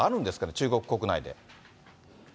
中国国内で。